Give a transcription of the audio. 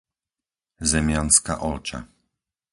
Zemianska Olča